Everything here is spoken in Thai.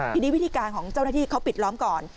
ทีนี้วิธีการของเจ้าหน้าที่เขาปิดล้อมก่อน